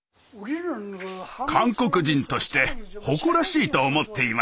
韓国人として誇らしいと思っていました。